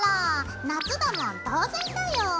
夏だもん当然だよ！